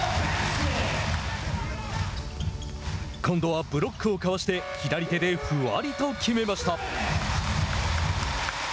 今度はブロックをかわして左手でふわりと決めました。